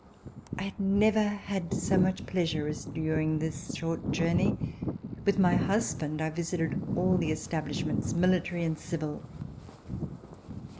I had never had so much pleasure as during this short journey. With my husband I visited all the establishments, military and civil.